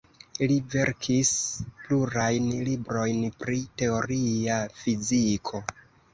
Li verkis plurajn librojn pri teoria fiziko.